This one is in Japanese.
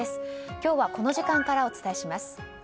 今日はこの時間からお伝えします。